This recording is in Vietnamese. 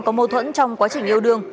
có mâu thuẫn trong quá trình yêu đương